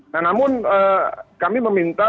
nah namun kami meminta